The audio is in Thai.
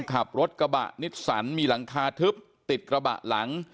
ขับรถกระบะนิสสันมีหลังคาทึบติดกระบะหลัง